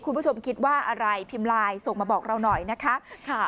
คุณผู้ชมคิดว่าอะไรพิมพ์ไลน์ส่งมาบอกเราหน่อยนะคะ